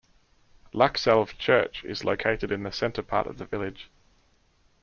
Lakselv Church is located in the center part of the village.